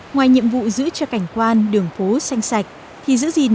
ngoài nhiệm vụ giữ cho cảnh quan đường phố xanh sạch